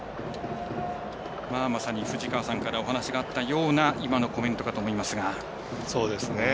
まさに藤川さんからお話があったような今のコメントかと思いますが。